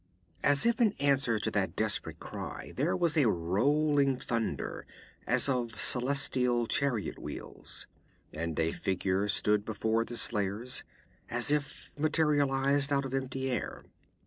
As if in answer to that desperate cry, there was a rolling thunder as of celestial chariot wheels, and a figure stood before the slayers, as if materialized out of empty air.